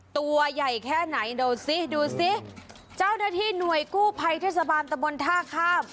เจ้าหน้าที่หน่วยกู้ภัยเทศบาลตะมนต์ท่าข้าม